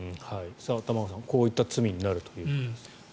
玉川さん、こういった罪になるということです。